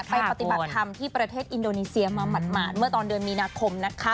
ปฏิบัติธรรมที่ประเทศอินโดนีเซียมาหมาดเมื่อตอนเดือนมีนาคมนะคะ